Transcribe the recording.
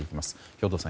兵頭さん